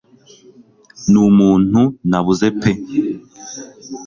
Numuntu nabuze pe